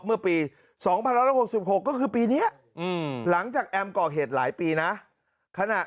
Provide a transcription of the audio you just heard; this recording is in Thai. เมื่อปี๒๑๖๖ก็คือปีนี้หลังจากแอมก่อเหตุหลายปีนะขณะ